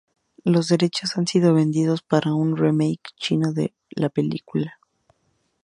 Los derechos han sido vendidos para un remake chino de la película.